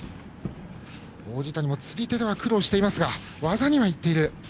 王子谷も釣り手では苦労していますが技にはいっている。